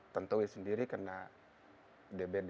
tantowi sendiri kena dbd